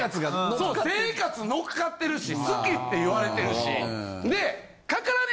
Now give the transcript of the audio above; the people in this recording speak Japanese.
そう生活のっかってるし好きって言われてるしかからんね